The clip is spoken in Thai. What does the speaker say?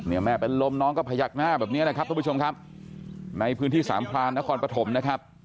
แม่เป็นลมน้องก็พยักหน้าแบบนี้นะครับทุกผู้ชมครับในพื้นที่สามพรานนครปฐมนะครับ